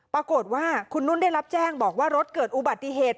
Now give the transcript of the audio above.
ปรากฏว่าคุณนุ่นได้รับแจ้งบอกว่ารถเกิดอุบัติเหตุ